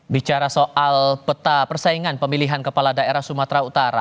bicara soal peta persaingan pemilihan kepala daerah sumatera utara